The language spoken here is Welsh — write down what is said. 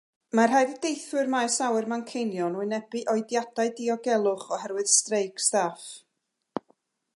Mae disgwyl i deithwyr maes awyr Manceinion wynebu oediadau diogelwch oherwydd streic staff.